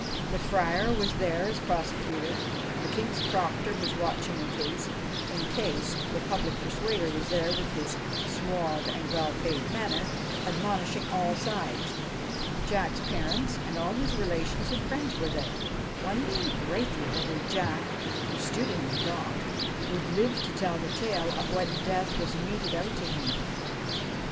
The Friar was there as prosecutor ; the King's Proctor was watching the case in case ; the Public Persuader was there with his suave and well paid manner, admonishing all sides ; Jack's parents and all his relations and friends were there, wondering greatly whether Jack, who stood in the dock, would live to tell the tale of what death was meted out to him.